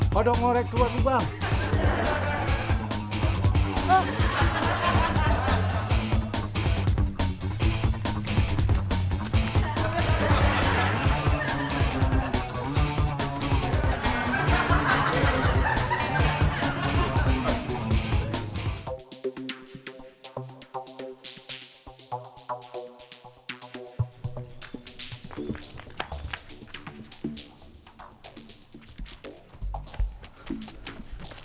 kodok ngorek keluar lubang